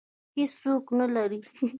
هېڅوک نه لري